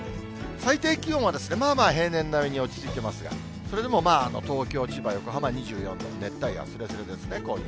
最低気温はですね、まあまあ平年並みに落ち着いてますが、それでも東京、千葉、横浜２４度、熱帯夜すれすれですね、今夜。